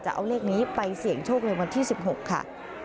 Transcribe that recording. จะเอาเลขนี้ไปเสี่ยงโชคในวันที่๑๖ค่ะ